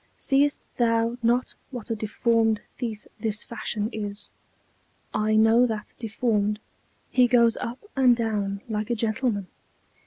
"Seest thou not what a deformed thief this Fashion is?" "I know that Deformed; he goes up and down like a gentleman."